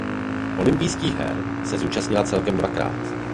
Olympijských her se účastnila celkem dvakrát.